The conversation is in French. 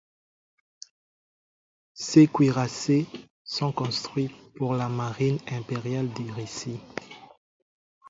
Ces cuirassés sont construits pour la Marine impériale de Russie.